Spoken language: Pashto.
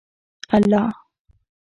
الله